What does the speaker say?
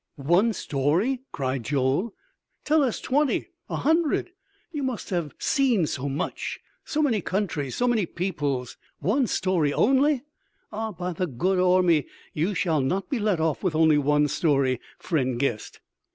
"One story?" cried Joel. "Tell us twenty, a hundred! You must have seen so much! so many countries! so many peoples! One story only? Ah, by the good Ormi, you shall not be let off with only one story, friend guest!"